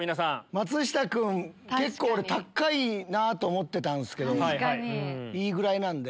松下君結構高いなと思ってたんすけどいいぐらいなんで。